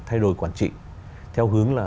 thay đổi quản trị theo hướng là